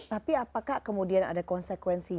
tapi apakah kemudian ada konsekuensi